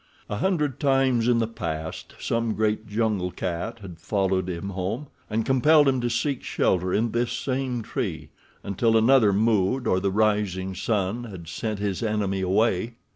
A hundred times in the past some great jungle cat had followed him home, and compelled him to seek shelter in this same tree, until another mood or the rising sun had sent his enemy away.